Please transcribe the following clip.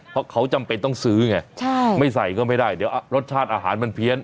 เพราะเขาจำเป็นต้องซื้อไงไม่ใส่ก็ไม่ได้เดี๋ยวรสชาติอาหารมันเพี้ยน